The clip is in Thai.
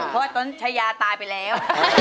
เพราะต้นชายาตายไปแล้ว